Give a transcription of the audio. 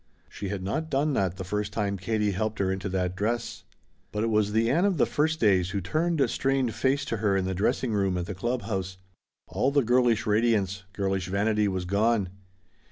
She had not done that the first time Katie helped her into that dress. But it was the Ann of the first days who turned strained face to her in the dressing room at the club house. All the girlish radiance girlish vanity was gone.